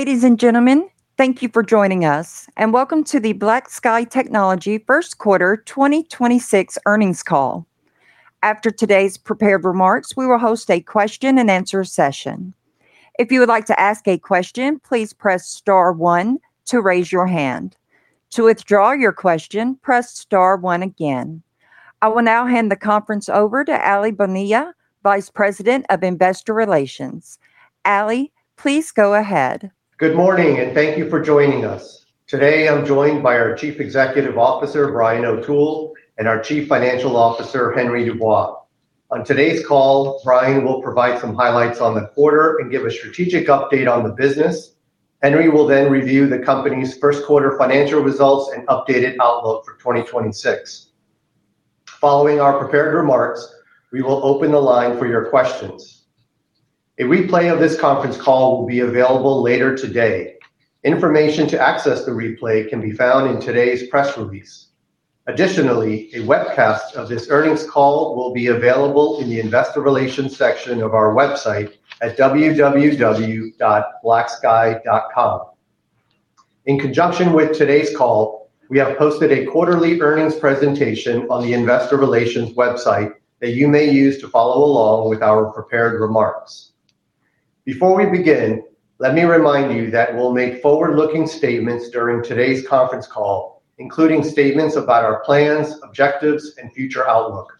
Ladies and gentlemen, thank you for joining us, welcome to the BlackSky Technology First Quarter 2026 earnings call. After today's prepared remarks, we will host a question-and-answer session. If you would like to ask a question, please press star one to raise your hand. To withdraw your question, press star one again. I will now hand the conference over to Aly Bonilla, Vice President of Investor Relations. Aly, please go ahead. Good morning, and thank you for joining us. Today, I'm joined by our Chief Executive Officer, Brian O'Toole, and our Chief Financial Officer, Henry Dubois. On today's call, Brian will provide some highlights on the quarter and give a strategic update on the business. Henry will then review the company's first quarter financial results and updated outlook for 2026. Following our prepared remarks, we will open the line for your questions. A replay of this conference call will be available later today. Information to access the replay can be found in today's press release. Additionally, a webcast of this earnings call will be available in the investor relations section of our website at www.blacksky.com. In conjunction with today's call, we have posted a quarterly earnings presentation on the investor relations website that you may use to follow along with our prepared remarks. Before we begin, let me remind you that we'll make forward-looking statements during today's conference call, including statements about our plans, objectives, and future outlook.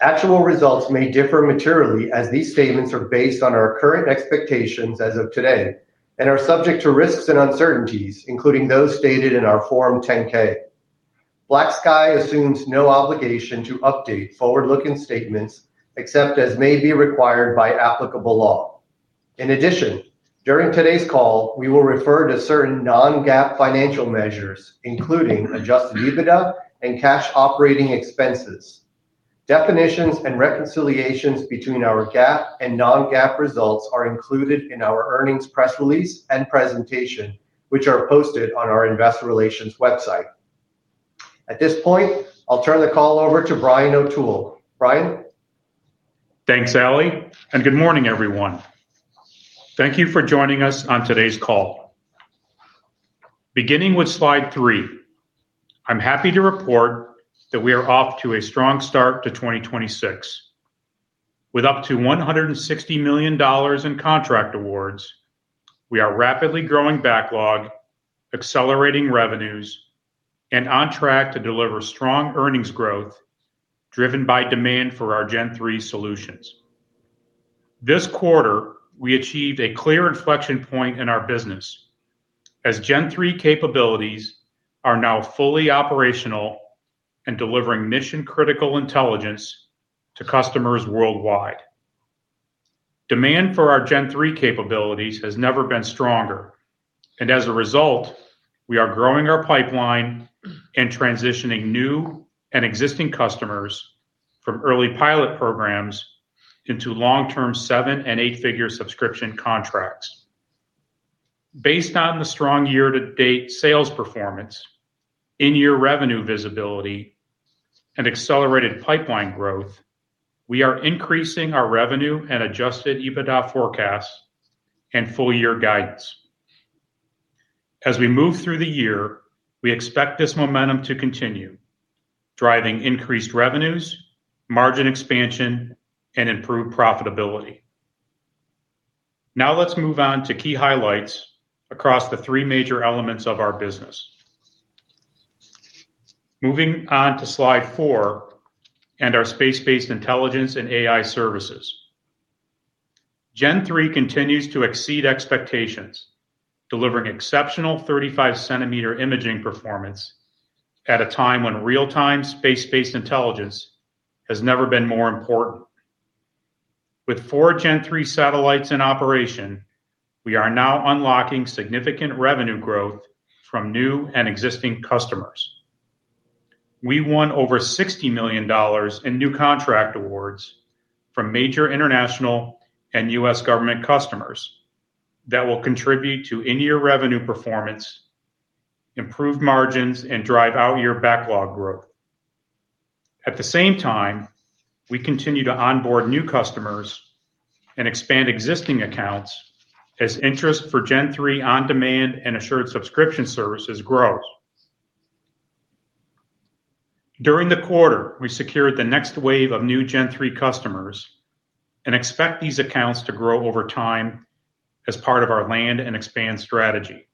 Actual results may differ materially as these statements are based on our current expectations as of today and are subject to risks and uncertainties, including those stated in our Form 10-K. BlackSky assumes no obligation to update forward-looking statements except as may be required by applicable law. In addition, during today's call, we will refer to certain non-GAAP financial measures, including adjusted EBITDA and cash operating expenses. Definitions and reconciliations between our GAAP and non-GAAP results are included in our earnings press release and presentation, which are posted on our investor relations website. At this point, I'll turn the call over to Brian O'Toole. Brian. Thanks, Aly, and good morning, everyone. Thank you for joining us on today's call. Beginning with slide three, I'm happy to report that we are off to a strong start to 2026. With up to $160 million in contract awards, we are rapidly growing backlog, accelerating revenues, and on track to deliver strong earnings growth driven by demand for our Gen-3 solutions. This quarter, we achieved a clear inflection point in our business as Gen-3 capabilities are now fully operational and delivering mission-critical intelligence to customers worldwide. Demand for our Gen-3 capabilities has never been stronger, and as a result, we are growing our pipeline and transitioning new and existing customers from early pilot programs into long-term seven and eight-figure subscription contracts. Based on the strong year-to-date sales performance, in-year revenue visibility, and accelerated pipeline growth, we are increasing our revenue and adjusted EBITDA forecast and full-year guidance. As we move through the year, we expect this momentum to continue, driving increased revenues, margin expansion, and improved profitability. Now let's move on to key highlights across the three major elements of our business. Moving on to slide four and our space-based intelligence and AI services. Gen-3 continues to exceed expectations, delivering exceptional 35 cm imaging performance at a time when real-time space-based intelligence has never been more important. With four Gen-3 satellites in operation, we are now unlocking significant revenue growth from new and existing customers. We won over $60 million in new contract awards from major international and U.S. government customers that will contribute to in-year revenue performance, improve margins, and drive out year backlog growth. At the same time, we continue to onboard new customers and expand existing accounts as interest for Gen-3 on-demand and assured subscription services grows. During the quarter, we secured the next wave of new Gen-3 customers and expect these accounts to grow over time as part of our land and expand strategy.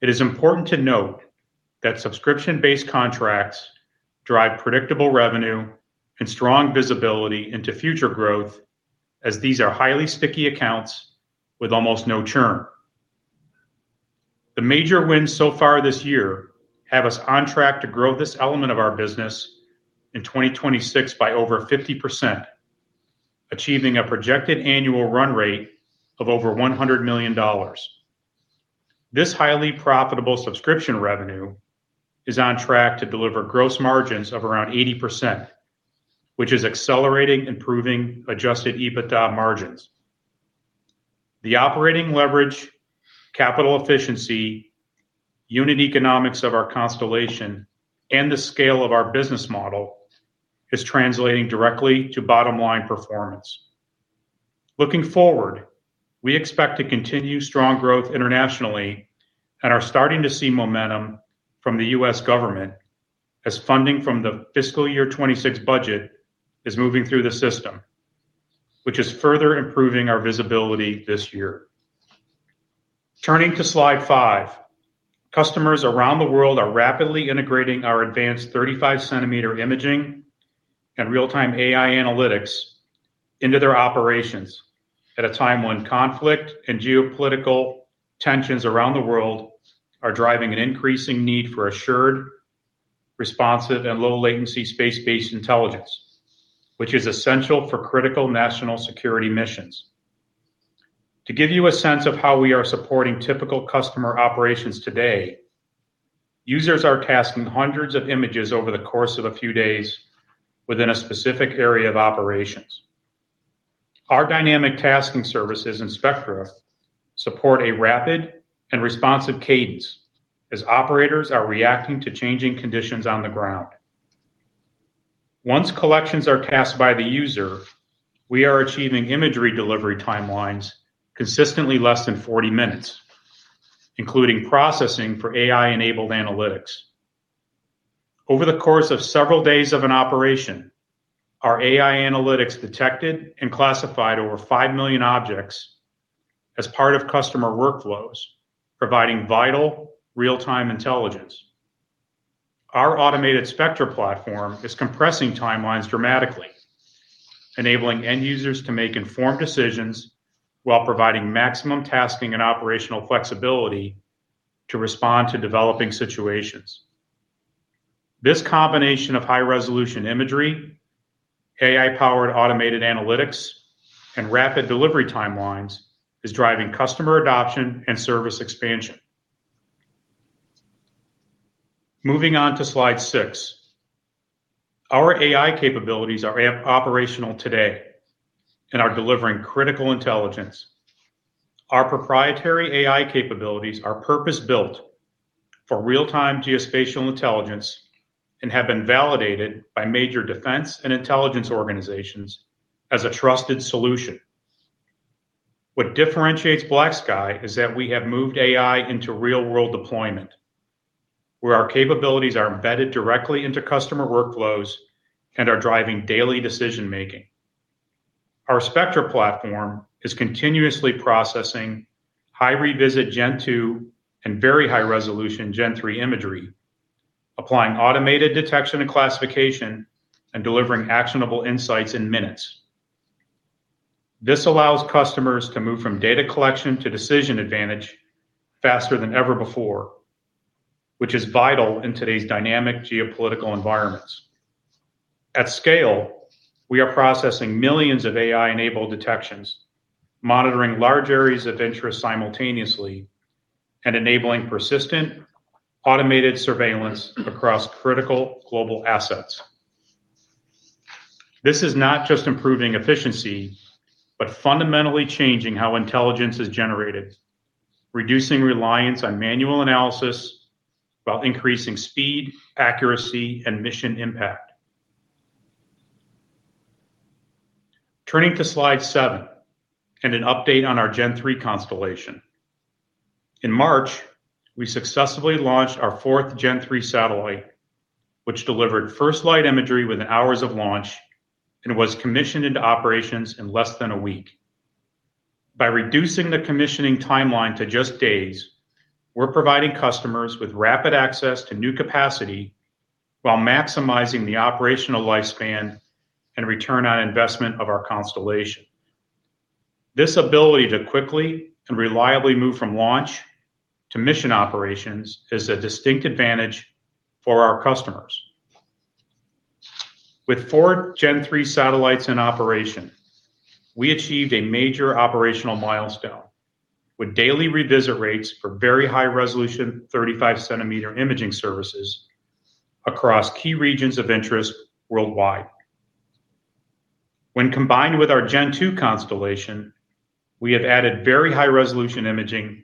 It is important to note that subscription-based contracts drive predictable revenue and strong visibility into future growth as these are highly sticky accounts with almost no churn. The major wins so far this year have us on track to grow this element of our business in 2026 by over 50%, achieving a projected annual run rate of over $100 million. This highly profitable subscription revenue is on track to deliver gross margins of around 80%, which is accelerating improving adjusted EBITDA margins. The operating leverage, capital efficiency, unit economics of our constellation and the scale of our business model is translating directly to bottom line performance. Looking forward, we expect to continue strong growth internationally and are starting to see momentum from the U.S. government as funding from the fiscal year 2026 budget is moving through the system, which is further improving our visibility this year. Turning to slide five. Customers around the world are rapidly integrating our advanced 35 cm imaging and real-time AI analytics into their operations at a time when conflict and geopolitical tensions around the world are driving an increasing need for assured, responsive, and low latency space-based intelligence, which is essential for critical national security missions. To give you a sense of how we are supporting typical customer operations today, users are tasking hundreds of images over the course of a few days within a specific area of operations. Our dynamic tasking services in Spectra support a rapid and responsive cadence as operators are reacting to changing conditions on the ground. Once collections are tasked by the user, we are achieving imagery delivery timelines consistently less than 40 minutes, including processing for AI-enabled analytics. Over the course of several days of an operation, our AI analytics detected and classified over 5 million objects as part of customer workflows, providing vital real-time intelligence. Our automated Spectra platform is compressing timelines dramatically, enabling end users to make informed decisions while providing maximum tasking and operational flexibility to respond to developing situations. This combination of high-resolution imagery, AI-powered automated analytics, and rapid delivery timelines is driving customer adoption and service expansion. Moving on to slide six. Our AI capabilities are operational today and are delivering critical intelligence. Our proprietary AI capabilities are purpose-built for real-time geospatial intelligence and have been validated by major defense and intelligence organizations as a trusted solution. What differentiates BlackSky is that we have moved AI into real-world deployment, where our capabilities are embedded directly into customer workflows and are driving daily decision-making. Our Spectra platform is continuously processing high revisit Gen-2 and very high resolution Gen-3 imagery, applying automated detection and classification, and delivering actionable insights in minutes. This allows customers to move from data collection to decision advantage faster than ever before, which is vital in today's dynamic geopolitical environments. At scale, we are processing millions of AI-enabled detections, monitoring large areas of interest simultaneously, and enabling persistent automated surveillance across critical global assets. This is not just improving efficiency, but fundamentally changing how intelligence is generated, reducing reliance on manual analysis while increasing speed, accuracy, and mission impact. Turning to slide seven, and an update on our Gen-3 constellation. In March, we successfully launched our fourth Gen-3 satellite, which delivered first light imagery within hours of launch and was commissioned into operations in less than a week. By reducing the commissioning timeline to just days, we're providing customers with rapid access to new capacity while maximizing the operational lifespan and return on investment of our constellation. This ability to quickly and reliably move from launch to mission operations is a distinct advantage for our customers. With four Gen-3 satellites in operation, we achieved a major operational milestone with daily revisit rates for very high resolution 35 cm imaging services across key regions of interest worldwide. When combined with our Gen-2 constellation, we have added very high-resolution imaging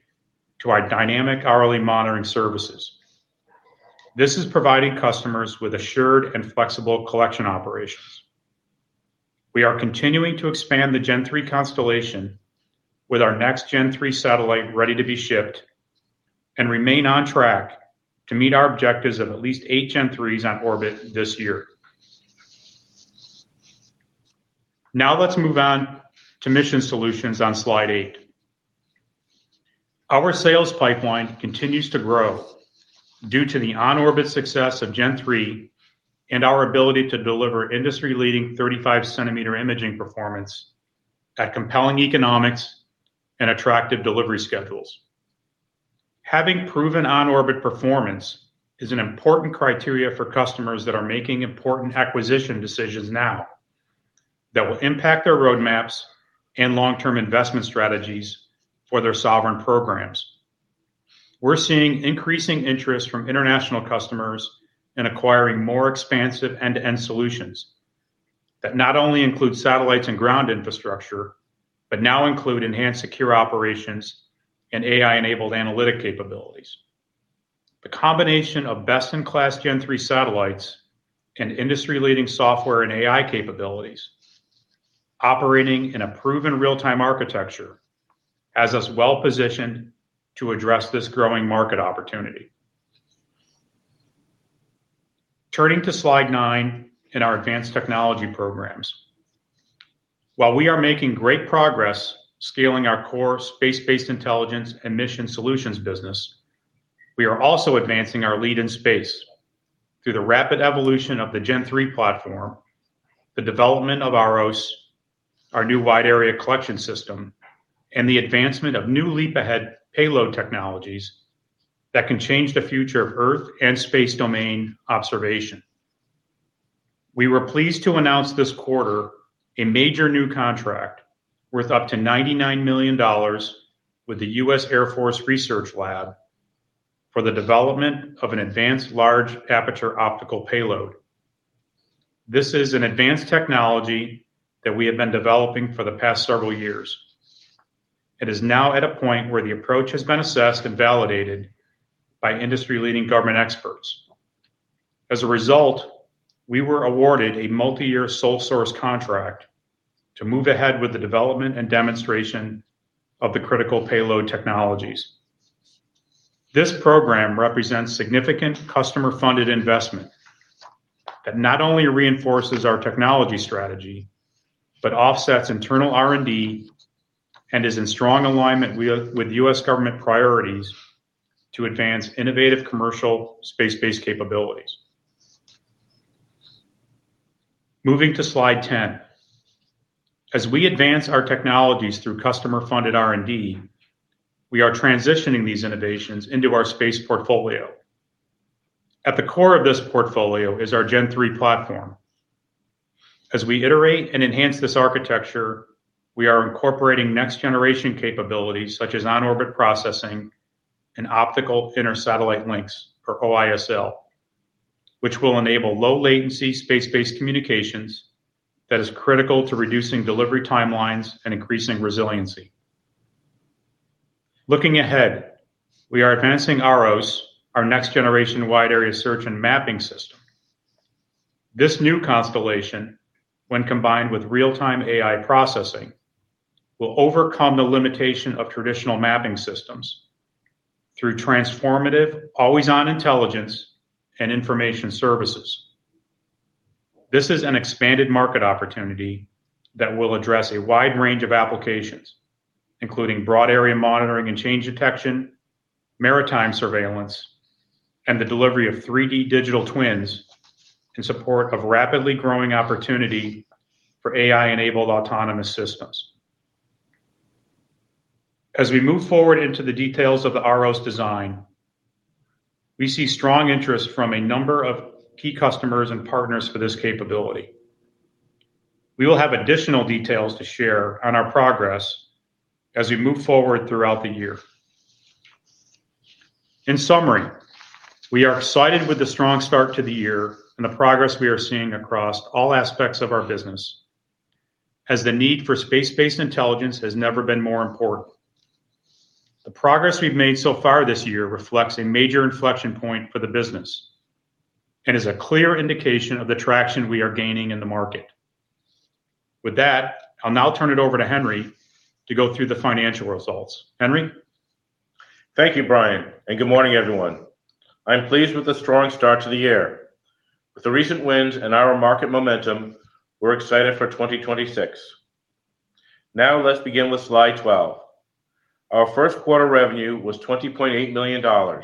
to our dynamic hourly monitoring services. This is providing customers with assured and flexible collection operations. We are continuing to expand the Gen-3 constellation with our next Gen-3 satellite ready to be shipped and remain on track to meet our objectives of at least eight Gen-3s on orbit this year. Let's move on to mission solutions on slide eight. Our sales pipeline continues to grow due to the on-orbit success of Gen-3 and our ability to deliver industry-leading 35 cm imaging performance at compelling economics and attractive delivery schedules. Having proven on-orbit performance is an important criteria for customers that are making important acquisition decisions now that will impact their roadmaps and long-term investment strategies for their sovereign programs. We're seeing increasing interest from international customers in acquiring more expansive end-to-end solutions that not only include satellites and ground infrastructure, but now include enhanced secure operations and AI-enabled analytic capabilities. The combination of best-in-class Gen-3 satellites and industry-leading software and AI capabilities operating in a proven real-time architecture has us well-positioned to address this growing market opportunity. Turning to slide nine in our advanced technology programs. While we are making great progress scaling our core space-based intelligence and mission solutions business, we are also advancing our lead in space through the rapid evolution of the Gen-3 platform, the development of AROS, our new wide area collection system, and the advancement of new leap-ahead payload technologies that can change the future of Earth and space domain observation. We were pleased to announce this quarter a major new contract worth up to $99 million with the U.S. Air Force Research Laboratory for the development of an advanced large-aperture optical payload. This is an advanced technology that we have been developing for the past several years. It is now at a point where the approach has been assessed and validated by industry-leading government experts. As a result, we were awarded a multi-year sole source contract to move ahead with the development and demonstration of the critical payload technologies. This program represents significant customer-funded investment that not only reinforces our technology strategy, but offsets internal R&D and is in strong alignment with U.S. government priorities to advance innovative commercial space-based capabilities. Moving to slide 10. As we advance our technologies through customer-funded R&D, we are transitioning these innovations into our space portfolio. At the core of this portfolio is our Gen-3 platform. As we iterate and enhance this architecture, we are incorporating next-generation capabilities such as on-orbit processing and optical inter-satellite links or OISL, which will enable low latency space-based communications that is critical to reducing delivery timelines and increasing resiliency. Looking ahead, we are advancing AROS, our next-generation wide-area search and mapping system. This new constellation, when combined with real-time AI processing, will overcome the limitation of traditional mapping systems through transformative always-on intelligence and information services. This is an expanded market opportunity that will address a wide range of applications, including broad area monitoring and change detection, maritime surveillance, and the delivery of 3D digital twins in support of rapidly growing opportunity for AI-enabled autonomous systems. As we move forward into the details of the AROS design, we see strong interest from a number of key customers and partners for this capability. We will have additional details to share on our progress as we move forward throughout the year. In summary, we are excited with the strong start to the year and the progress we are seeing across all aspects of our business, as the need for space-based intelligence has never been more important. The progress we've made so far this year reflects a major inflection point for the business and is a clear indication of the traction we are gaining in the market. With that, I'll now turn it over to Henry to go through the financial results. Henry. Thank you, Brian, and good morning, everyone. I'm pleased with the strong start to the year. With the recent wins and our market momentum, we're excited for 2026. Now let's begin with slide 12. Our first quarter revenue was $20.8 million.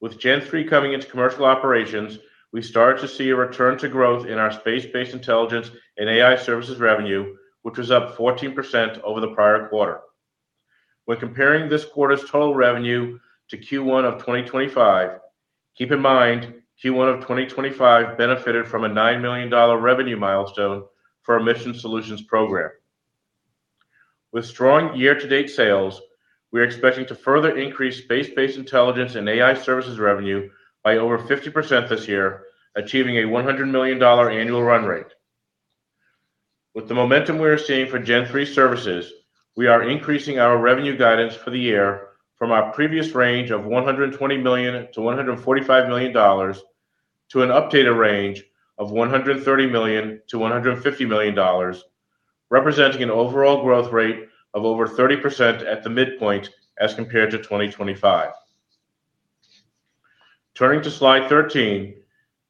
With Gen-3 coming into commercial operations, we started to see a return to growth in our space-based intelligence and AI services revenue, which was up 14% over the prior quarter. When comparing this quarter's total revenue to Q1 of 2025, keep in mind Q1 of 2025 benefited from a $9 million revenue milestone for our Mission Solutions program. With strong year-to-date sales, we are expecting to further increase space-based intelligence and AI services revenue by over 50% this year, achieving a $100 million annual run rate. With the momentum we are seeing for Gen-3 services, we are increasing our revenue guidance for the year from our previous range of $120 million-$145 million to an updated range of $130 million-$150 million, representing an overall growth rate of over 30% at the midpoint as compared to 2025. Turning to slide 13,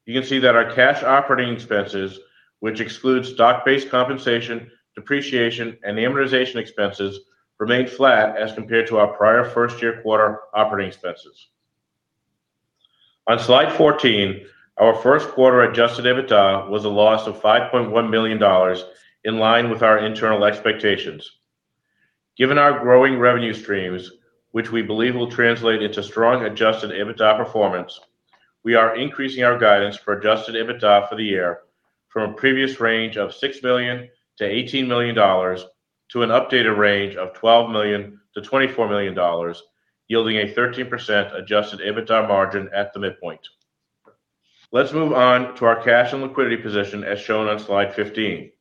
you can see that our cash operating expenses, which excludes stock-based compensation, depreciation, and amortization expenses, remained flat as compared to our prior first quarter operating expenses. On slide 14, our first quarter adjusted EBITDA was a loss of $5.1 million in line with our internal expectations. Given our growing revenue streams, which we believe will translate into strong adjusted EBITDA performance, we are increasing our guidance for adjusted EBITDA for the year from a previous range of $6 million-$18 million. To an updated range of $12 million-$24 million, yielding a 13% adjusted EBITDA margin at the midpoint. Let's move on to our cash and liquidity position, as shown on slide 15.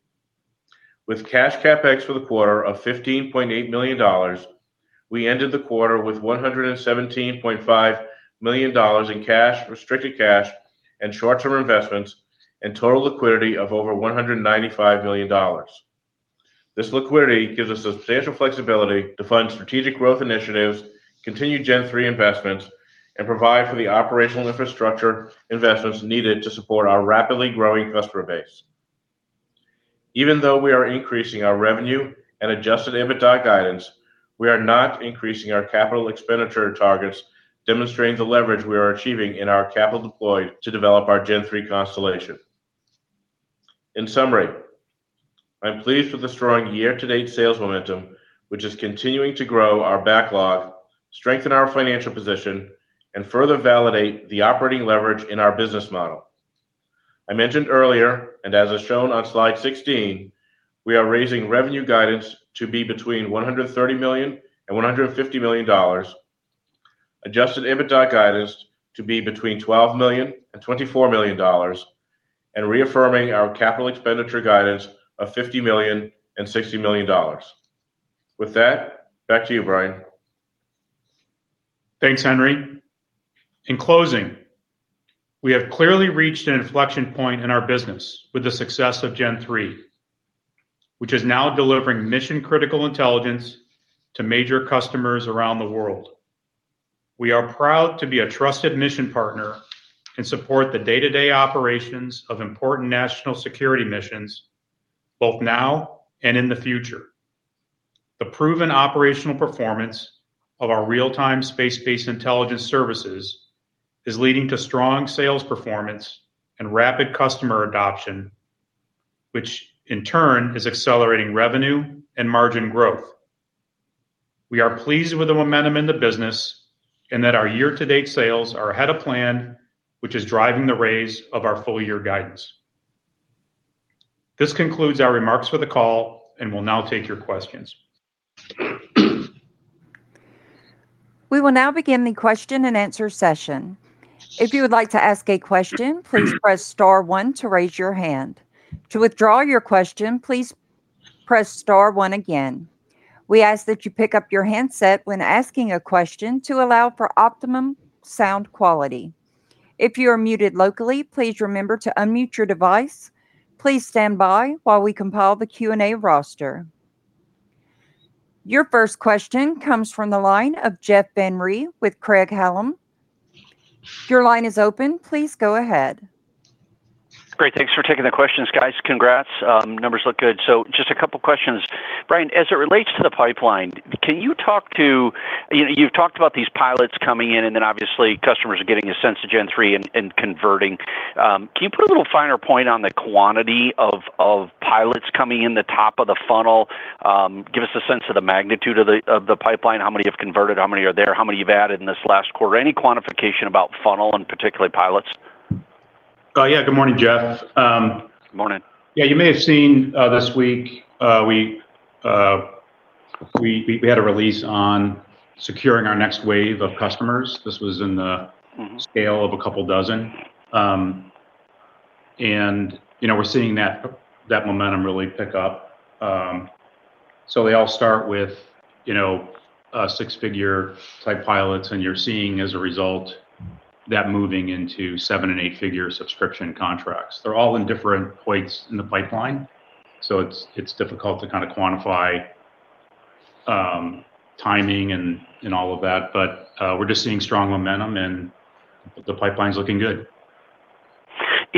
With cash CapEx for the quarter of $15.8 million, we ended the quarter with $117.5 million in cash, restricted cash and short-term investments, and total liquidity of over $195 million. This liquidity gives us substantial flexibility to fund strategic growth initiatives, continue Gen-3 investments, and provide for the operational infrastructure investments needed to support our rapidly growing customer base. Even though we are increasing our revenue and adjusted EBITDA guidance, we are not increasing our capital expenditure targets, demonstrating the leverage we are achieving in our capital deployed to develop our Gen-3 constellation. In summary, I'm pleased with the strong year-to-date sales momentum, which is continuing to grow our backlog, strengthen our financial position, and further validate the operating leverage in our business model. I mentioned earlier, and as is shown on slide 16, we are raising revenue guidance to be between $130 million and $150 million, adjusted EBITDA guidance to be between $12 million and $24 million, and reaffirming our capital expenditure guidance of $50 million and $60 million. With that, back to you, Brian. Thanks, Henry. In closing, we have clearly reached an inflection point in our business with the success of Gen-3, which is now delivering mission-critical intelligence to major customers around the world. We are proud to be a trusted mission partner and support the day-to-day operations of important national security missions both now and in the future. The proven operational performance of our real-time space-based intelligence services is leading to strong sales performance and rapid customer adoption, which in turn is accelerating revenue and margin growth. We are pleased with the momentum in the business and that our year-to-date sales are ahead of plan, which is driving the raise of our full year guidance. This concludes our remarks for the call, and we'll now take your questions. We will now begin the question and answer session. If you would like to ask a question, please press star one to raise your hand. To withdraw your question, please press star one again. We ask that you pick up your handset when asking a question to allow for optimum sound quality. If you are muted locally, please remember to unmute your device. Please stand by while we compile the Q&A roster. Your first question comes from the line of Jeff Van Rhee with Craig-Hallum. Your line is open. Please go ahead. Great. Thanks for taking the questions, guys. Congrats. Numbers look good. Just a couple questions. Brian, as it relates to the pipeline, can you talk to, you've talked about these pilots coming in and then obviously customers are getting a sense of Gen-3 and converting. Can you put a little finer point on the quantity of pilots coming in the top of the funnel? Give us a sense of the magnitude of the pipeline. How many have converted? How many are there? How many you've added in this last quarter? Any quantification about funnel and particularly pilots? Yeah. Good morning, Jeff. Morning. Yeah, you may have seen, this week, we had a release on securing our next wave of customers. Scale of a couple dozen. You know, we're seeing that momentum really pick up. They all start with, you know, six-figure type pilots, and you're seeing as a result that moving into seven and eight-figure subscription contracts. They're all in different points in the pipeline, so it's difficult to kind of quantify timing and all of that. We're just seeing strong momentum and the pipeline's looking good.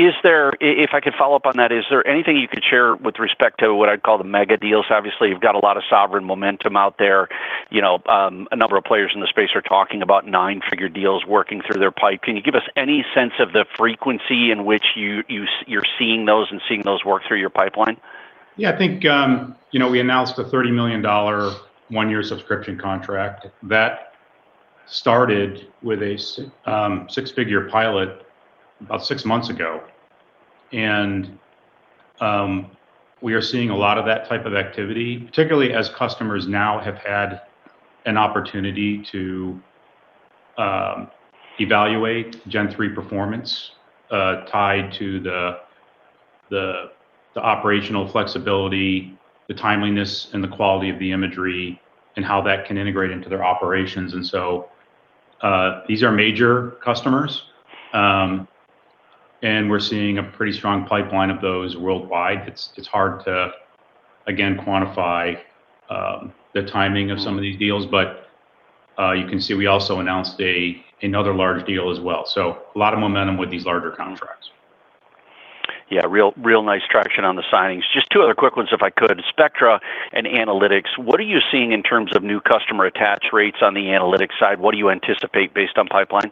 If I could follow up on that, is there anything you could share with respect to what I'd call the mega deals? Obviously, you've got a lot of sovereign momentum out there. You know, a number of players in the space are talking about nine-figure deals working through their pipe. Can you give us any sense of the frequency in which you're seeing those and seeing those work through your pipeline? Yeah, I think, you know, we announced a $30 million one-year subscription contract that started with a six-figure pilot about six months ago. We are seeing a lot of that type of activity, particularly as customers now have had an opportunity to evaluate Gen-3 performance, tied to the operational flexibility, the timeliness, and the quality of the imagery and how that can integrate into their operations. These are major customers, and we're seeing a pretty strong pipeline of those worldwide. It's hard to, again, quantify the timing of some of these deals, but you can see we also announced another large deal as well. A lot of momentum with these larger contracts. Yeah. Real, real nice traction on the signings. Just two other quick ones, if I could. Spectra and analytics, what are you seeing in terms of new customer attach rates on the analytics side? What do you anticipate based on pipeline?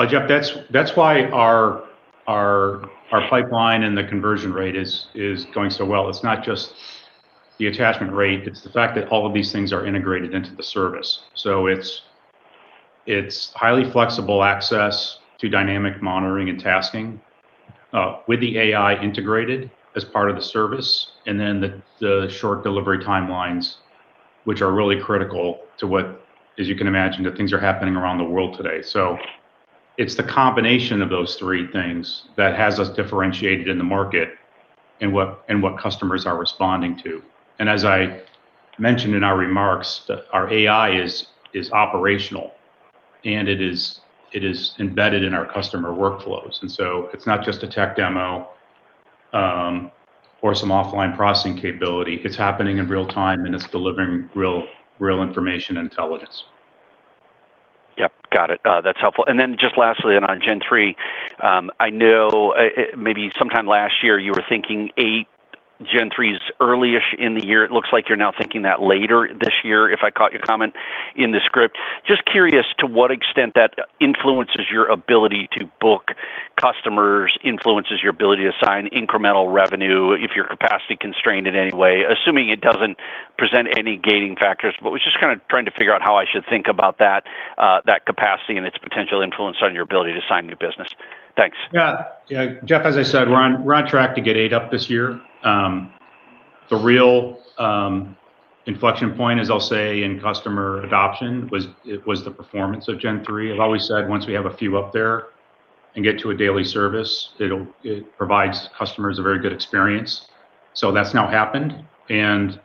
Well, Jeff, that's why our pipeline and the conversion rate is going so well. It's not just the attachment rate, it's the fact that all of these things are integrated into the service. It's highly flexible access to dynamic monitoring and tasking with the AI integrated as part of the service, and then the short delivery timelines, which are really critical to what, as you can imagine, the things are happening around the world today. It's the combination of those three things that has us differentiated in the market and what customers are responding to. As I mentioned in our remarks, our AI is operational, and it is embedded in our customer workflows. It's not just a tech demo or some offline processing capability. It's happening in real time, and it's delivering real information intelligence. Yep, got it. That's helpful. Then just lastly on Gen-3, I know maybe sometime last year you were thinking eight Gen-3s early-ish in the year. It looks like you're now thinking that later this year, if I caught your comment in the script. Just curious to what extent that influences your ability to book customers, influences your ability to sign incremental revenue, if you're capacity constrained in any way, assuming it doesn't present any gating factors. Was just kind of trying to figure out how I should think about that capacity and its potential influence on your ability to sign new business. Thanks. Yeah, Jeff, as I said, we're on track to get eight up this year. The real inflection point, as I'll say, in customer adoption was the performance of Gen-3. I've always said once we have a few up there and get to a daily service, it provides customers a very good experience. That's now happened, and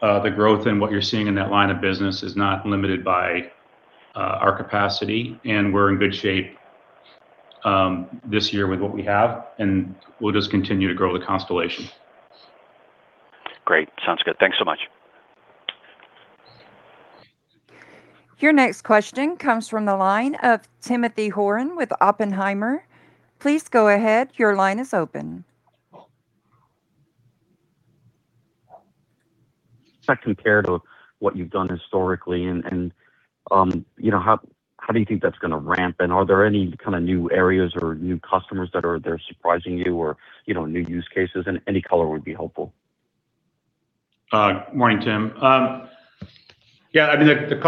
the growth in what you're seeing in that line of business is not limited by our capacity, and we're in good shape this year with what we have, and we'll just continue to grow the constellation. Great. Sounds good. Thanks so much. Your next question comes from the line of Timothy Horan with Oppenheimer. Please go ahead. Your line is open. Compared to what you've done historically and, you know, how do you think that's gonna ramp? Are there any kind of new areas or new customers that are there surprising you or, you know, new use cases? Any color would be helpful. Morning, Tim. Yeah, I mean, the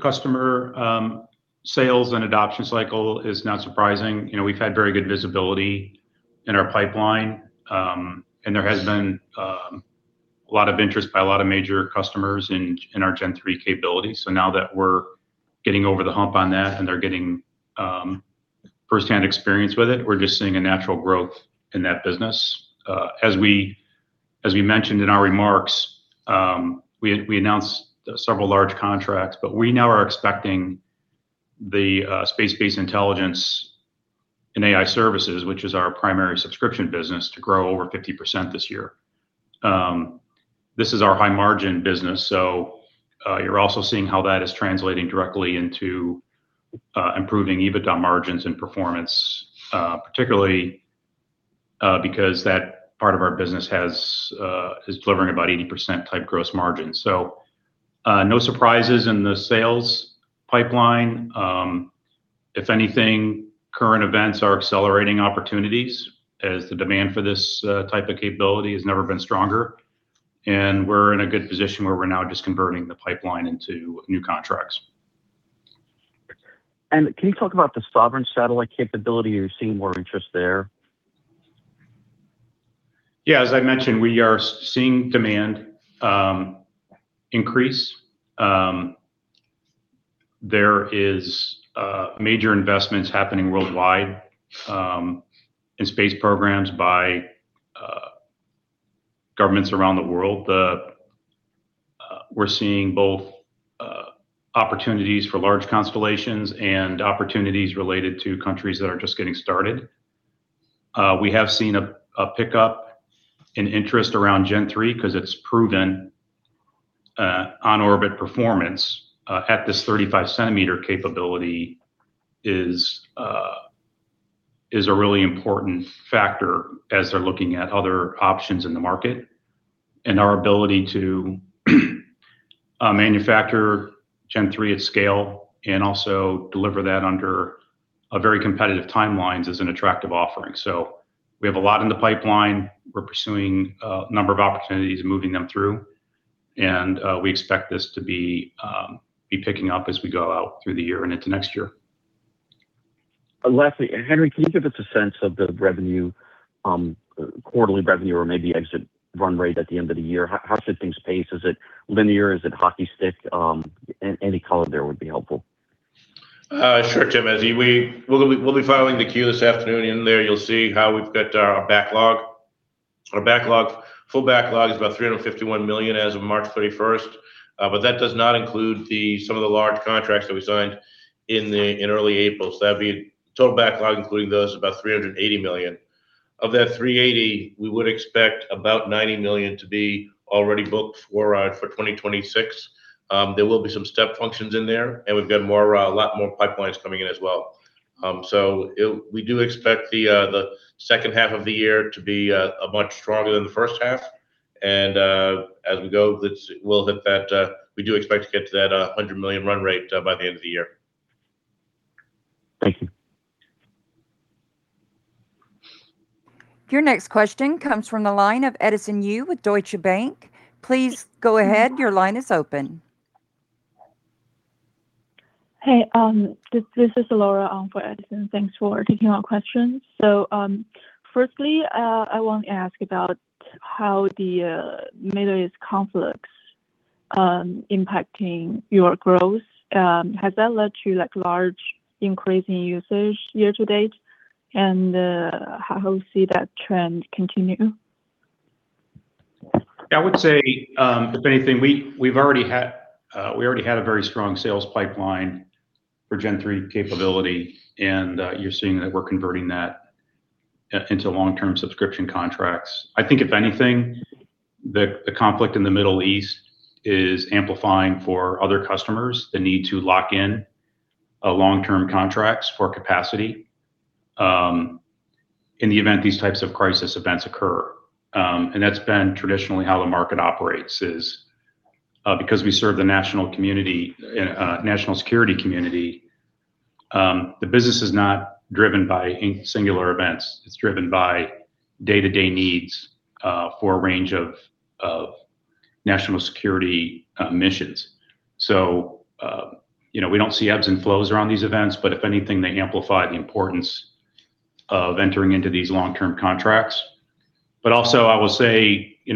customer sales and adoption cycle is not surprising. You know, we've had very good visibility in our pipeline, and there has been a lot of interest by a lot of major customers in our Gen-3 capabilities. Now that we're getting over the hump on that and they're getting firsthand experience with it, we're just seeing a natural growth in that business. As we mentioned in our remarks, we announced several large contracts, but we now are expecting the space-based intelligence and AI services, which is our primary subscription business, to grow over 50% this year. This is our high margin business, you're also seeing how that is translating directly into improving EBITDA margins and performance, particularly because that part of our business is delivering about 80% type gross margin. No surprises in the sales pipeline. If anything, current events are accelerating opportunities as the demand for this type of capability has never been stronger. We're in a good position where we're now just converting the pipeline into new contracts. Can you talk about the sovereign satellite capability? Are you seeing more interest there? Yeah, as I mentioned, we are seeing demand increase. There is major investments happening worldwide in space programs by governments around the world. We're seeing both opportunities for large constellations and opportunities related to countries that are just getting started. We have seen a pickup in interest around Gen-3 'cause it's proven on-orbit performance at this 35 cm capability is a really important factor as they're looking at other options in the market. Our ability to manufacture Gen-3 at scale and also deliver that under a very competitive timelines is an attractive offering. We have a lot in the pipeline. We're pursuing a number of opportunities and moving them through. We expect this to be picking up as we go out through the year and into next year. Lastly, Henry, can you give us a sense of the revenue, quarterly revenue or maybe exit run rate at the end of the year? How should things pace? Is it linear? Is it hockey stick? Any color there would be helpful. Sure, Tim. We'll be filing the Q this afternoon. In there you'll see how we've got our backlog. Our full backlog is about $351 million as of March 31st. That does not include some of the large contracts that we signed in early April. That'd be total backlog, including those, about $380 million. Of that $380 million, we would expect about $90 million to be already booked for 2026. There will be some step functions in there, and we've got more, a lot more pipelines coming in as well. We do expect the second half of the year to be much stronger than the first half. As we go, we'll hit that $100 million run rate by the end of the year. Your next question comes from the line of Edison Yu with Deutsche Bank. Please go ahead, your line is open. Hey, this is Laura on for Edison. Thanks for taking our questions. Firstly, I want to ask about how the Middle East conflict's impacting your growth? Has that led to, like, large increase in usage year to date? How you see that trend continue? I would say, if anything, we've already had a very strong sales pipeline for Gen-3 capability. You're seeing that we're converting that into long-term subscription contracts. I think if anything, the conflict in the Middle East is amplifying for other customers the need to lock in long-term contracts for capacity in the event these types of crisis events occur. That's been traditionally how the market operates is because we serve the national community, national security community, the business is not driven by singular events. It's driven by day-to-day needs for a range of national security missions. You know, we don't see ebbs and flows around these events, but if anything, they amplify the importance of entering into these long-term contracts. Also I will say, you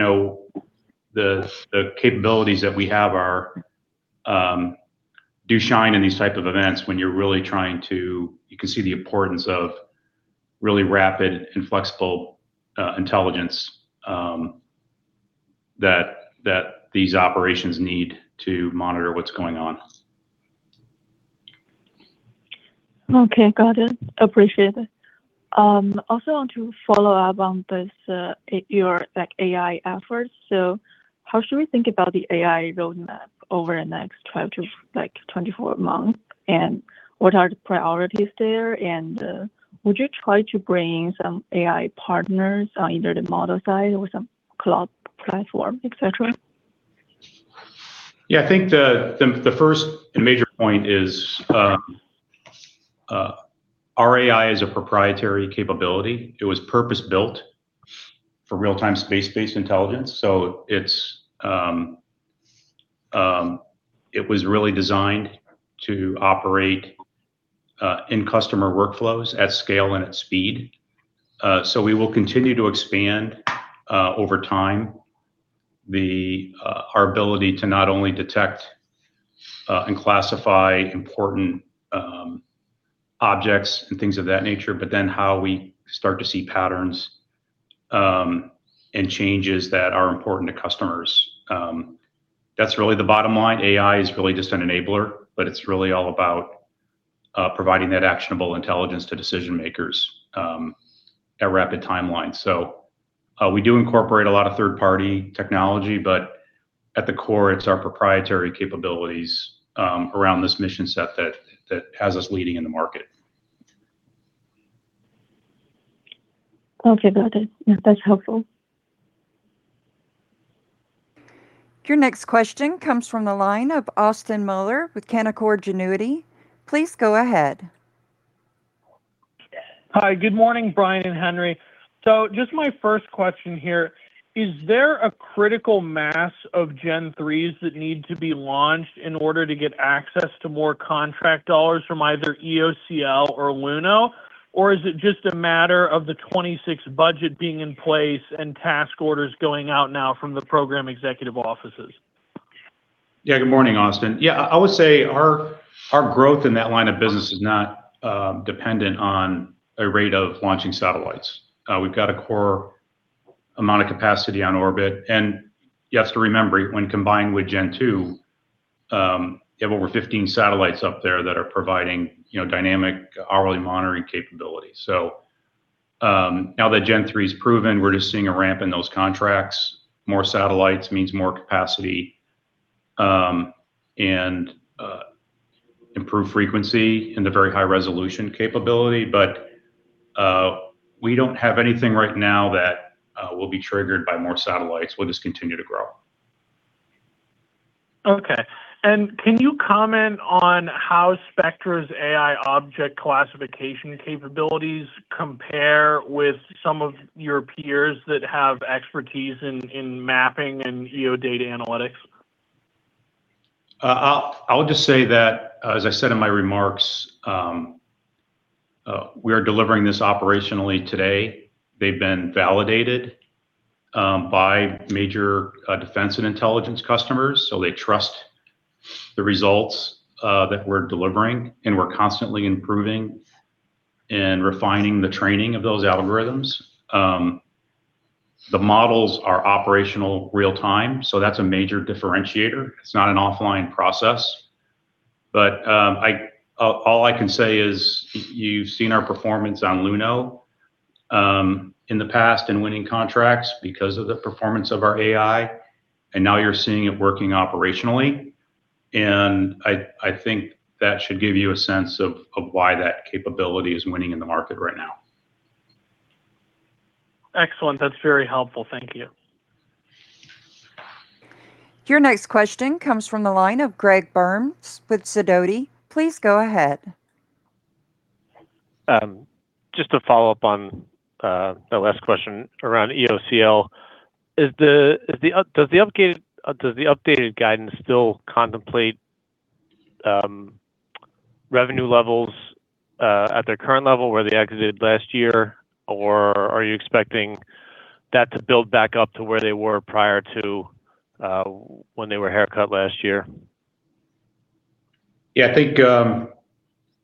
know, the capabilities that we have are do shine in these type of events when you can really see the importance of really rapid and flexible intelligence that these operations need to monitor what's going on. Okay. Got it. Appreciate it. Also want to follow up on this, your AI efforts. How should we think about the AI roadmap over the next 12 to 24 months, and what are the priorities there? Would you try to bring some AI partners on either the model side or some cloud platform, et cetera? Yeah. I think the first and major point is, our AI is a proprietary capability. It was purpose-built for real-time space-based intelligence. It was really designed to operate in customer workflows at scale and at speed. We will continue to expand over time, the, our ability to not only detect and classify important objects and things of that nature, but then how we start to see patterns and changes that are important to customers. That's really the bottom line. AI is really just an enabler, but it's really all about providing that actionable intelligence to decision-makers at rapid timelines. We do incorporate a lot of third-party technology, but at the core it's our proprietary capabilities around this mission set that has us leading in the market. Okay. Got it. Yeah. That's helpful. Your next question comes from the line of Austin Moeller with Canaccord Genuity. Please go ahead. Hi. Good morning, Brian and Henry. Just my first question here, is there a critical mass of Gen-3s that need to be launched in order to get access to more contract dollars from either EOCL or Luno? Is it just a matter of the 26 budget being in place and task orders going out now from the program executive offices? Good morning, Austin. I would say our growth in that line of business is not dependent on a rate of launching satellites. We've got a core amount of capacity on orbit. You have to remember, when combined with Gen-2, you have over 15 satellites up there that are providing, you know, dynamic hourly monitoring capabilities. Now that Gen-3's proven, we're just seeing a ramp in those contracts. More satellites means more capacity, improved frequency in the very high resolution capability. We don't have anything right now that will be triggered by more satellites. We'll just continue to grow. Okay. Can you comment on how Spectra's AI object classification capabilities compare with some of your peers that have expertise in mapping and geo data analytics? I would just say that, as I said in my remarks, we are delivering this operationally today. They've been validated by major defense and intelligence customers, so they trust the results that we're delivering. We're constantly improving and refining the training of those algorithms. The models are operational real time, that's a major differentiator. It's not an offline process. All I can say is you've seen our performance on Luno in the past in winning contracts because of the performance of our AI, now you're seeing it working operationally. I think that should give you a sense of why that capability is winning in the market right now. Excellent. That's very helpful. Thank you. Your next question comes from the line of Greg Burns with Sidoti. Please go ahead. Just to follow up on the last question around EOCL. Does the updated guidance still contemplate revenue levels at their current level where they exited last year? Or are you expecting that to build back up to where they were prior to when they were haircut last year? Yeah, I think,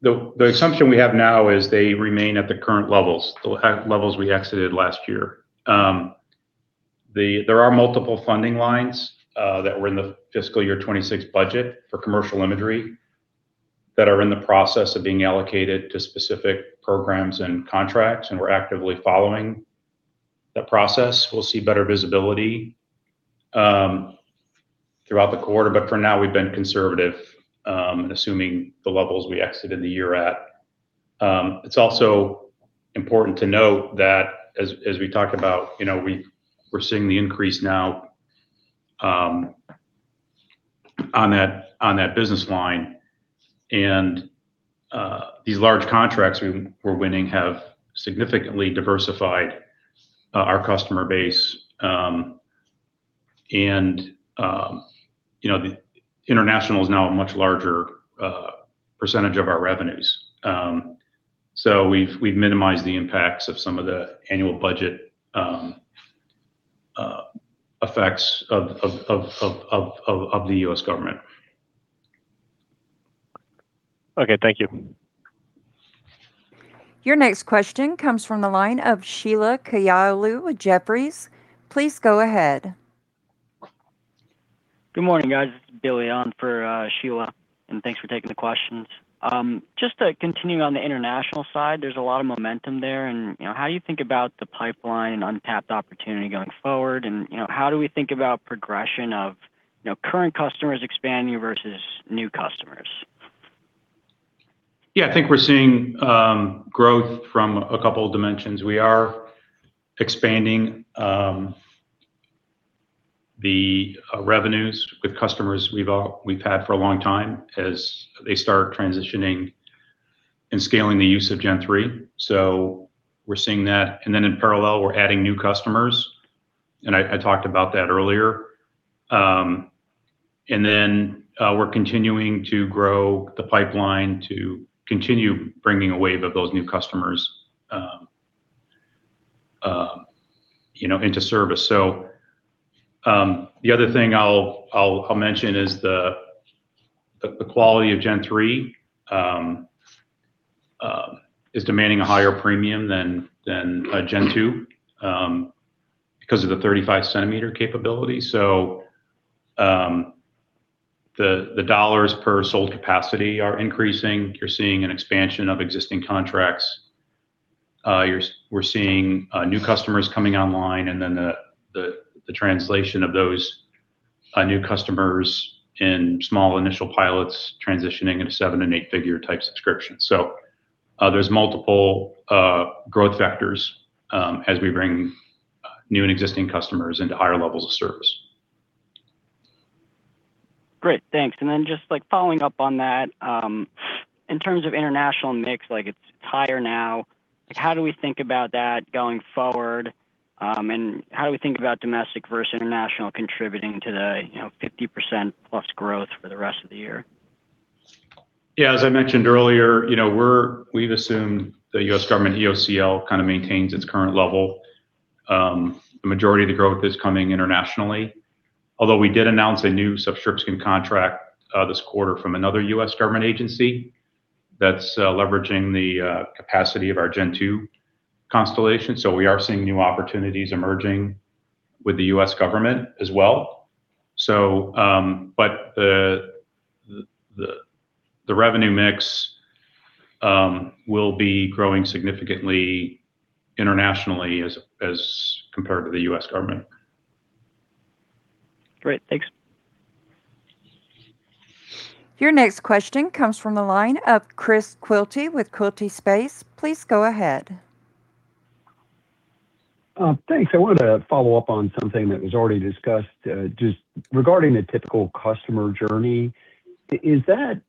the assumption we have now is they remain at the current levels, the levels we exited last year. There are multiple funding lines that were in the fiscal year 2026 budget for commercial imagery that are in the process of being allocated to specific programs and contracts, and we're actively following that process. We'll see better visibility throughout the quarter, but for now we've been conservative, assuming the levels we exited the year at. It's also important to note that as we talk about, you know, we're seeing the increase now on that business line. These large contracts we're winning have significantly diversified our customer base. You know, the international is now a much larger percentage of our revenues. We've minimized the impacts of some of the annual budget, effects of the U.S. government. Okay. Thank you. Your next question comes from the line of Sheila Kahyaoglu with Jefferies. Please go ahead. Good morning, guys. This is Billy on for Sheila, and thanks for taking the questions. Just to continue on the international side, there's a lot of momentum there and, you know, how you think about the pipeline untapped opportunity going forward and, you know, how do we think about progression of, you know, current customers expanding versus new customers? Yeah. I think we're seeing growth from a couple dimensions. We are expanding the revenues with customers we've had for a long time as they start transitioning and scaling the use of Gen-3. We're seeing that. In parallel, we're adding new customers, and I talked about that earlier. We're continuing to grow the pipeline to continue bringing a wave of those new customers, you know, into service. The other thing I'll mention is the quality of Gen-3 is demanding a higher premium than Gen-2 because of the 35 cm capability. The dollars per sold capacity are increasing. You're seeing an expansion of existing contracts. We're seeing new customers coming online and then the translation of those new customers in small initial pilots transitioning into seven and eight figure type subscriptions. There's multiple growth factors as we bring new and existing customers into higher levels of service. Great. Thanks. Then just like following up on that, in terms of international mix, like it's higher now. Like how do we think about that going forward? How do we think about domestic versus international contributing to the, you know, 50%+ growth for the rest of the year? As I mentioned earlier, you know, we've assumed the U.S. government EOCL kind of maintains its current level. The majority of the growth is coming internationally, although we did announce a new subscription contract this quarter from another U.S. government agency that's leveraging the capacity of our Gen-2 constellation. We are seeing new opportunities emerging with the U.S. government as well. The revenue mix will be growing significantly internationally as compared to the U.S. government. Great. Thanks. Your next question comes from the line of Chris Quilty with Quilty Space. Please go ahead. Thanks. I wanted to follow up on something that was already discussed. Just regarding the typical customer journey, is that,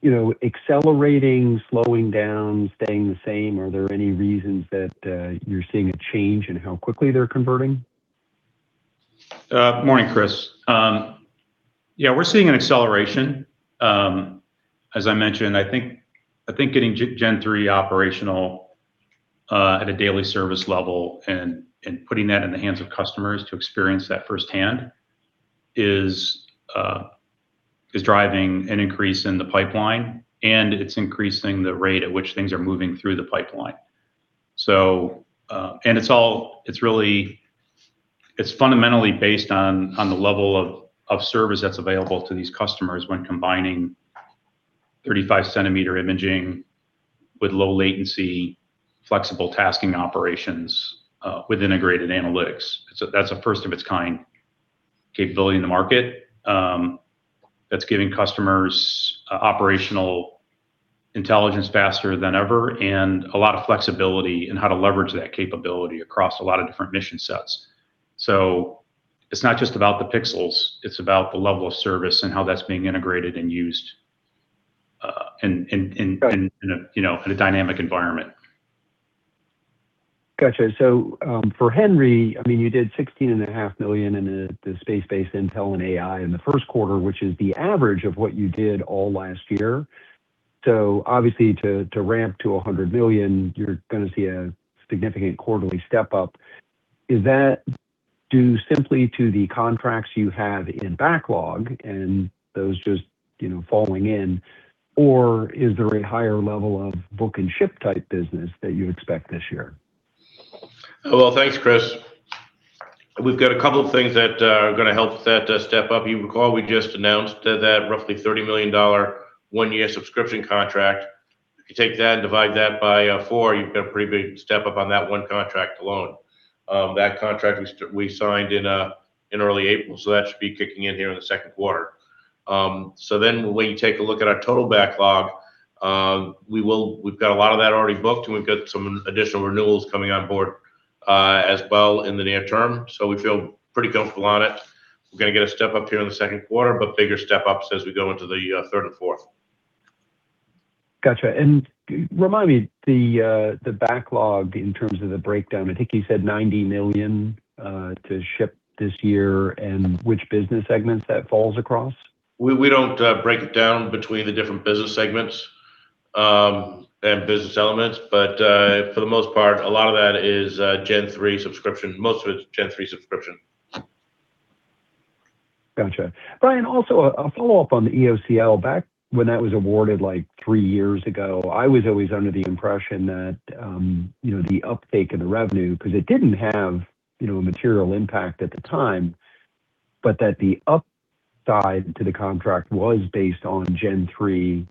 you know, accelerating, slowing down, staying the same? Are there any reasons that you're seeing a change in how quickly they're converting? Morning, Chris. We're seeing an acceleration. As I mentioned, I think getting Gen-3 operational at a daily service level and putting that in the hands of customers to experience that firsthand is driving an increase in the pipeline, and it's increasing the rate at which things are moving through the pipeline. It's fundamentally based on the level of service that's available to these customers when combining 35 cm imaging with low latency, flexible tasking operations with integrated analytics. That's a first of its kind capability in the market that's giving customers operational intelligence faster than ever, and a lot of flexibility in how to leverage that capability across a lot of different mission sets. It's not just about the pixels, it's about the level of service and how that's being integrated and used. In a, you know, in a dynamic environment. Got you. For Henry, I mean, you did $16.5 million in the space-based intel and AI in the first quarter, which is the average of what you did all last year. Obviously to ramp to $100 million, you're gonna see a significant quarterly step up. Is that due simply to the contracts you have in backlog and those just, you know, falling in? Is there a higher level of book and ship type business that you expect this year? Thanks Chris. We've got a couple things that are gonna help that step up. You recall we just announced that roughly $30 million one-year subscription contract. If you take that and divide that by four, you've got a pretty big step up on that one contract alone. That contract we signed in early April, so that should be kicking in here in the second quarter. When we take a look at our total backlog, we've got a lot of that already booked, and we've got some additional renewals coming on board, as well in the near term, so we feel pretty comfortable on it. We're gonna get a step up here in the second quarter, but bigger step ups as we go into the third and fourth. Gotcha. Remind me the backlog in terms of the breakdown. I think you said $90 million, to ship this year, and which business segments that falls across. We don't break it down between the different business segments, and business elements, but for the most part, a lot of that is Gen-3 subscription. Most of it's Gen-3 subscription. Gotcha. Brian, also a follow-up on the EOCL. Back when that was awarded like three years ago, I was always under the impression that, you know, the uptake in the revenue, 'cause it didn't have, you know, a material impact at the time, but that the upside to the contract was based on Gen-3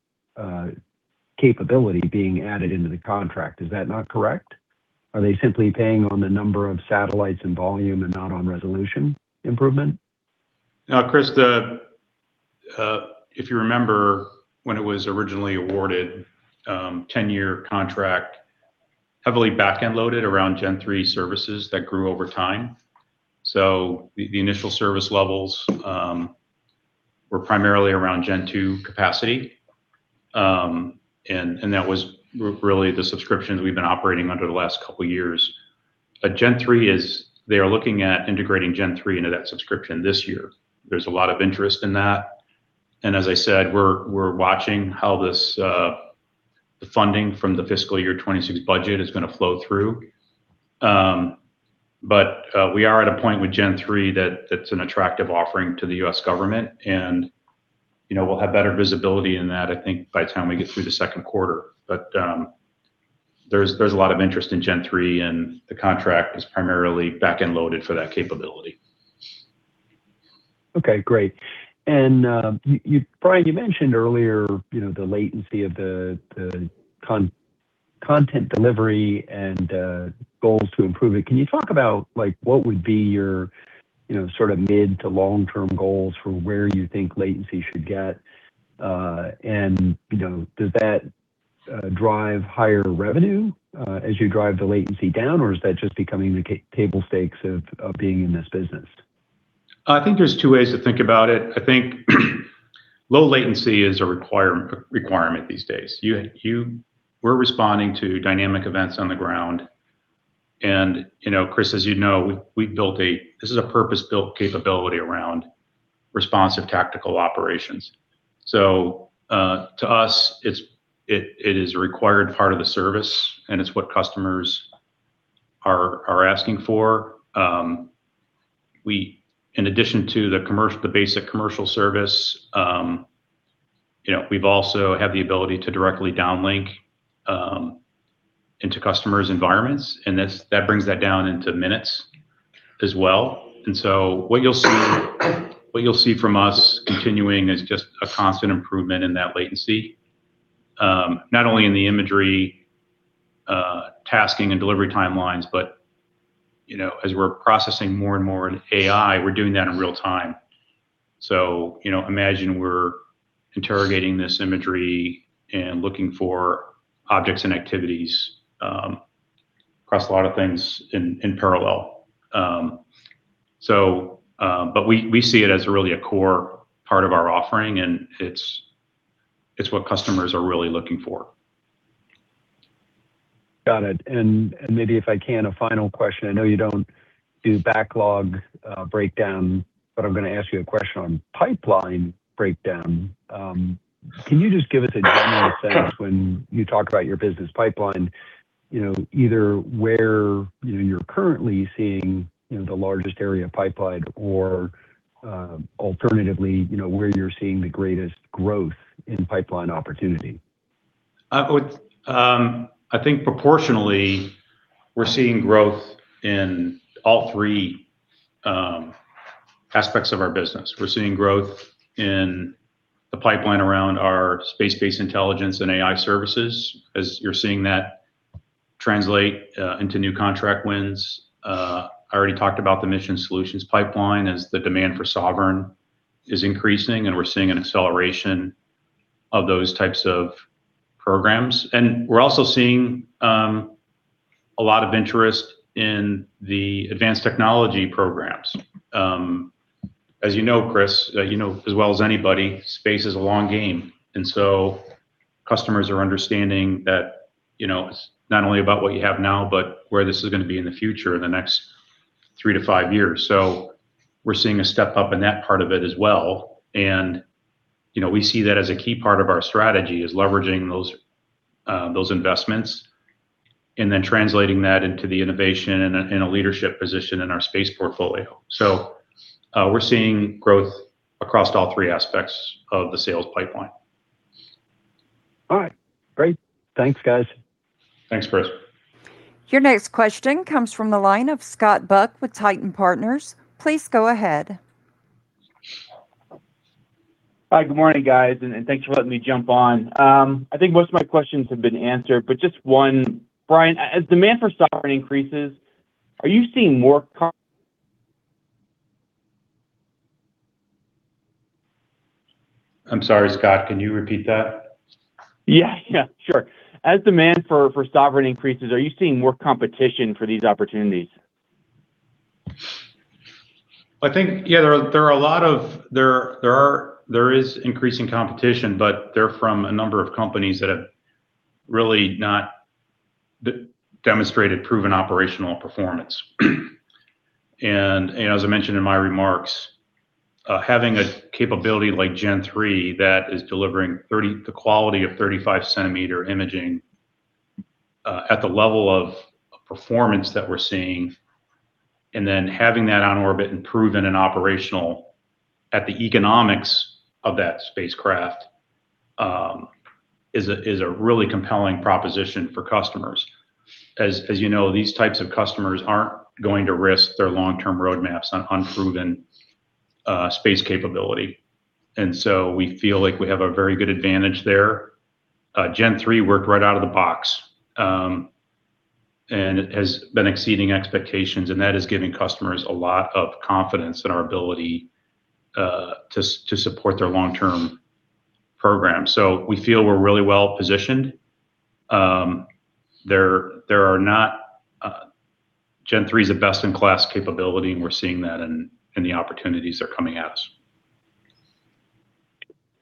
capability being added into the contract. Is that not correct? Are they simply paying on the number of satellites and volume and not on resolution improvement? Chris, if you remember when it was originally awarded, a 10-year contract heavily backend loaded around Gen-3 services that grew over time. The initial service levels were primarily around Gen-2 capacity. And that was really the subscriptions we've been operating under the last couple years. Gen-3 is they're looking at integrating Gen-3 into that subscription this year. There's a lot of interest in that. As I said, we're watching how this the funding from the fiscal year 2026 budget is gonna flow through. We are at a point with Gen-3 that it's an attractive offering to the U.S. government, and, you know, we'll have better visibility in that, I think, by the time we get through the second quarter. There's a lot of interest in Gen-3, and the contract is primarily backend loaded for that capability. Okay, great. Brian, you mentioned earlier, you know, the latency of the content delivery and goals to improve it. Can you talk about like, what would be your, you know, sort of mid to long-term goals for where you think latency should get? Does that drive higher revenue as you drive the latency down, or is that just becoming the table stakes of being in this business? I think there's two ways to think about it. I think low latency is a requirement these days. We're responding to dynamic events on the ground. You know, Chris, as you know, this is a purpose-built capability around responsive tactical operations. To us, it's, it is a required part of the service, and it's what customers are asking for. In addition to the commercial, the basic commercial service, you know, we've also have the ability to directly downlink into customers' environments, and that's, that brings that down into minutes as well. What you'll see from us continuing is just a constant improvement in that latency, not only in the imagery, tasking and delivery timelines, but, you know, as we're processing more and more in AI, we're doing that in real time. You know, imagine we're interrogating this imagery and looking for objects and activities, across a lot of things in parallel. We see it as really a core part of our offering, and it's what customers are really looking for. Got it. Maybe if I can, a final question. I know you don't do backlog breakdown, but I'm gonna ask you a question on pipeline breakdown. Can you just give us a general sense when you talk about your business pipeline, you know, either where, you know, you're currently seeing, you know, the largest area of pipeline or, alternatively, you know, where you're seeing the greatest growth in pipeline opportunity? I think proportionally we're seeing growth in all three aspects of our business. We're seeing growth in the pipeline around our space-based intelligence and AI services, as you're seeing that translate into new contract wins. I already talked about the mission solutions pipeline as the demand for sovereign is increasing, and we're seeing an acceleration of those types of programs. We're also seeing a lot of interest in the advanced technology programs. As you know, Chris, you know as well as anybody, space is a long game. Customers are understanding that, you know, it's not only about what you have now, but where this is gonna be in the future in the next three to five years. We're seeing a step up in that part of it as well. You know, we see that as a key part of our strategy, is leveraging those investments and then translating that into the innovation in a leadership position in our space portfolio. We're seeing growth across all three aspects of the sales pipeline. All right. Great. Thanks, guys. Thanks, Chris. Your next question comes from the line of Scott Buck with Titan Partners. Please go ahead. Hi. Good morning, guys, and thanks for letting me jump on. I think most of my questions have been answered, but just one. Brian, as demand for sovereign increases, are you seeing more- I'm sorry, Scott. Can you repeat that? Yeah, yeah, sure. As demand for sovereign increases, are you seeing more competition for these opportunities? I think, yeah, there are a lot of. There is increasing competition, but they're from a number of companies that have really not demonstrated proven operational performance. As I mentioned in my remarks, having a capability like Gen-3 that is delivering the quality of 35 cm imaging at the level of performance that we're seeing, and then having that on orbit and proven and operational at the economics of that spacecraft, is a really compelling proposition for customers. As you know, these types of customers aren't going to risk their long-term roadmaps on unproven space capability, so we feel like we have a very good advantage there. Gen-3 worked right out of the box, and it has been exceeding expectations, and that is giving customers a lot of confidence in our ability to support their long-term program. We feel we're really well-positioned. There are not, Gen-3's a best-in-class capability, and we're seeing that in the opportunities that are coming at us.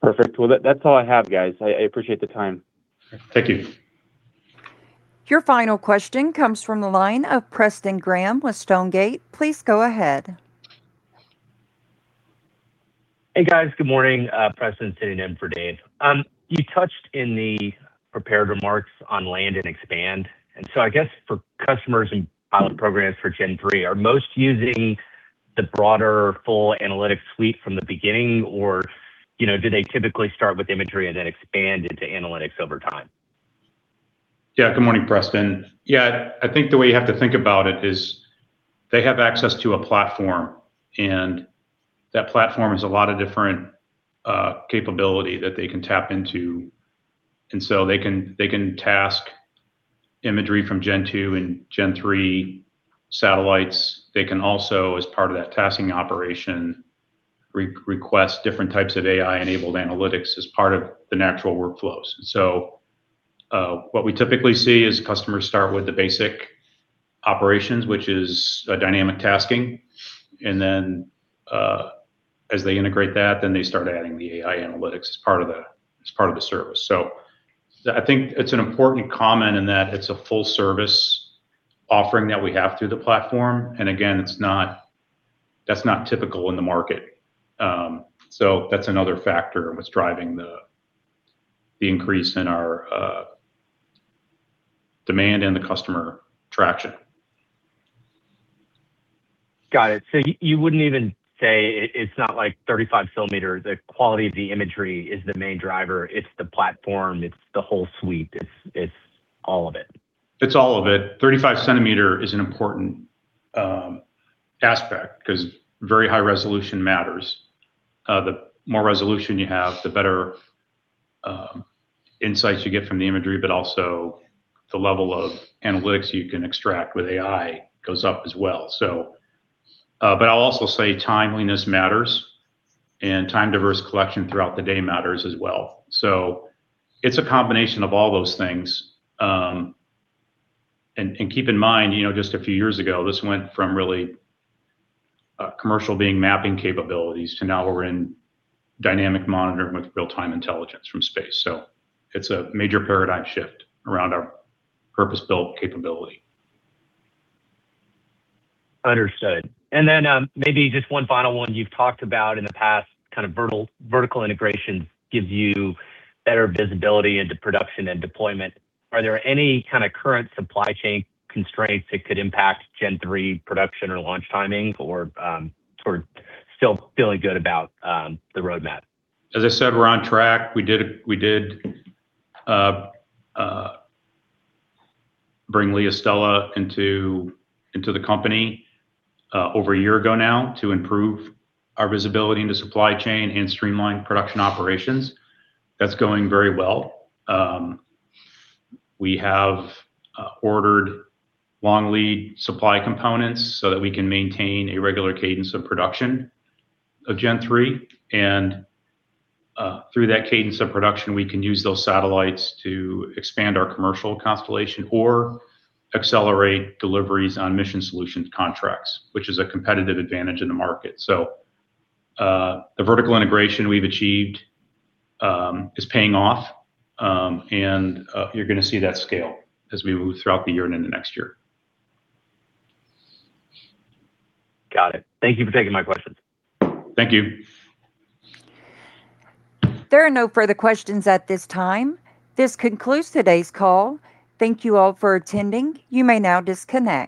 Perfect. Well, that's all I have, guys. I appreciate the time. Thank you. Your final question comes from the line of Preston Graham with Stonegate. Please go ahead. Hey, guys. Good morning. Preston sitting in for Dave. You touched in the prepared remarks on land and expand. I guess for customers and pilot programs for Gen-3, are most using the broader full analytics suite from the beginning? Or, you know, do they typically start with imagery and then expand into analytics over time? Good morning, Preston. I think the way you have to think about it is they have access to a platform, that platform is a lot of different capability that they can tap into. They can task imagery from Gen 2 and Gen 3 satellites. They can also, as part of that tasking operation, request different types of AI-enabled analytics as part of the natural workflows. What we typically see is customers start with the basic operations, which is dynamic tasking. As they integrate that, they start adding the AI analytics as part of the service. I think it's an important comment in that it's a full service offering that we have through the platform. Again, that's not typical in the market. That's another factor in what's driving the increase in our demand and the customer traction. Got it. You wouldn't even say it's not like 35 cm, the quality of the imagery is the main driver. It's the platform. It's the whole suite. It's all of it. It's all of it. 35 cm is an important aspect 'cause very high resolution matters. The more resolution you have, the better insights you get from the imagery, but also the level of analytics you can extract with AI goes up as well. But I'll also say timeliness matters and time-diverse collection throughout the day matters as well. It's a combination of all those things. And keep in mind, you know, just a few years ago, this went from really commercial being mapping capabilities to now we're in dynamic monitoring with real-time intelligence from space. It's a major paradigm shift around our purpose-built capability. Understood. Then, maybe just one final one. You've talked about in the past kind of vertical integration gives you better visibility into production and deployment. Are there any kind of current supply chain constraints that could impact Gen-3 production or launch timing or, sort of still feeling good about the roadmap? As I said, we're on track. We did bring LeoStella into the company over a year ago now to improve our visibility into supply chain and streamline production operations. That's going very well. We have ordered long lead supply components so that we can maintain a regular cadence of production of Gen-3. Through that cadence of production, we can use those satellites to expand our commercial constellation or accelerate deliveries on mission solutions contracts, which is a competitive advantage in the market. The vertical integration we've achieved is paying off. You're gonna see that scale as we move throughout the year and into next year. Got it. Thank you for taking my questions. Thank you. There are no further questions at this time. This concludes today's call. Thank you all for attending. You may now disconnect.